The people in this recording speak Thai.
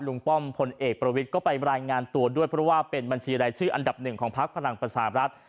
ป้อมพลเอกประวิทย์ก็ไปรายงานตัวด้วยเพราะว่าเป็นบัญชีรายชื่ออันดับหนึ่งของพักพลังประชาบรัฐ